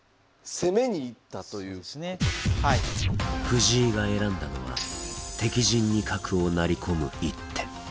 藤井が選んだのは敵陣に角を成り込む一手。